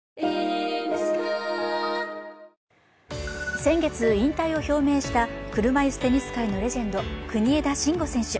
先月、引退を表明した車いすテニス界のレジェンド、国枝慎吾選手。